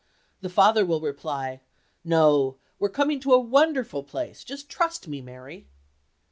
The father will reply, "No—we're coming to a wonderful place—just trust me, Mary!"